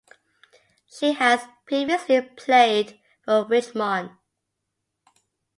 She has previously played for Richmond.